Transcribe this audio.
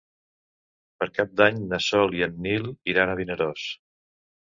Per Cap d'Any na Sol i en Nil iran a Vinaròs.